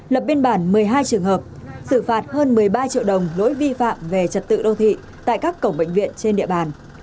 lập biên bản một mươi hai trường hợp xử phạt hơn một mươi ba triệu đồng lỗi vi phạm về trật tự đô thị tại các cổng bệnh viện trên địa bàn